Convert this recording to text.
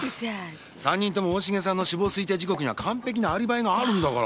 ３人とも大重さんの死亡推定時刻には完璧なアリバイがあるんだから。